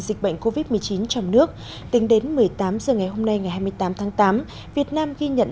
dịch bệnh covid một mươi chín trong nước tính đến một mươi tám h ngày hôm nay ngày hai mươi tám tháng tám việt nam ghi nhận